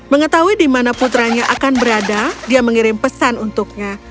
mengetahui di mana putranya akan berada dia mengirim pesan untuknya